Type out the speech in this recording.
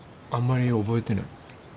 あんまり覚えてない。